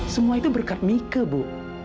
semua itu berkat mika bu